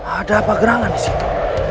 ada apa gerangan disitu